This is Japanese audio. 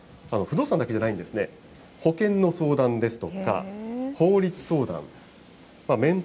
不動産だけじゃないんですね、保険の相談ですとか法律相談、メン